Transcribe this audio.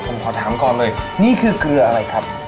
ผมขอถามก่อนเลยนี่คือเกลืออะไรครับ